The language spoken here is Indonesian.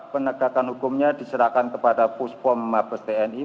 penegakan hukumnya diserahkan kepada puspom mabes tni